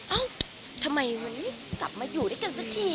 เอ้าทำไมมันไม่กลับมาอยู่ด้วยกันสักที